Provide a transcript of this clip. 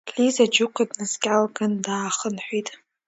Лиза Џьука днаскьалган, даахынҳәит.